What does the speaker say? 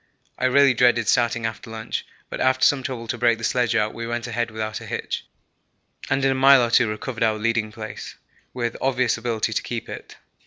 I really dreaded starting after lunch, but after some trouble to break the sledge out, we went ahead without a hitch, and in a mile or two recovered our leading place with obvious ability to keep it.